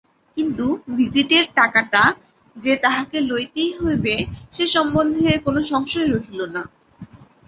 কিন্তু ভিজিটের টাকাটা যে তাহাকে লইতেই হইবে সে সম্বন্ধে কোনো সংশয় রহিল না।